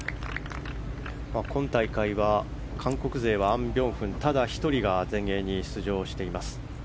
今大会は韓国勢はアン・ビョンフン、ただ１人が全英に出場しています。